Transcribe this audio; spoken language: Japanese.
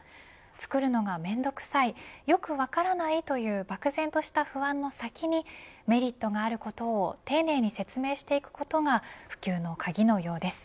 作るのが面倒くさいよく分からないという漠然とした不安の先にメリットがあることを丁寧に説明していくことが普及の鍵のようです。